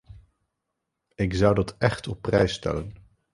Ik zou dat echt op prijs stellen.